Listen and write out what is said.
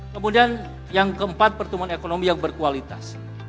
kemudian yang keempat pertumbuhan ekonomi yang berkualitas